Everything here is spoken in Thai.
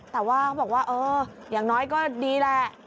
แต่ว่าเขาบอกว่าเอออย่างน้อยก็ดีแหละ